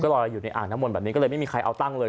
ลอยอยู่ในอ่างน้ำมนต์แบบนี้ก็เลยไม่มีใครเอาตั้งเลย